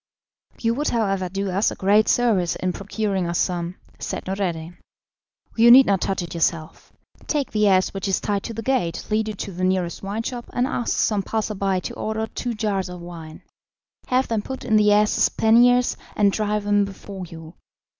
"You would, however, do us a great service in procuring us some," said Noureddin. "You need not touch it yourself. Take the ass which is tied to the gate, lead it to the nearest wine shop, and ask some passer by to order two jars of wine; have them put in the ass's panniers, and drive him before you.